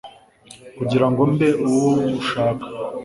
kugira ngo mbe uwo ushaka